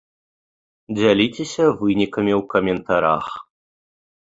Дзяліцеся вынікамі ў каментарах!